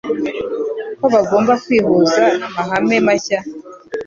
ko bagombaga kwihuza n'amahame mashya: